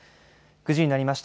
９時になりました。